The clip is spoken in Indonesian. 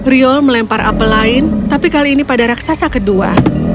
riol melempar apel lain tapi kali ini pada raksasa kedua